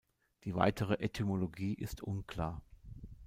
Die weitere Etymologie ist unklar.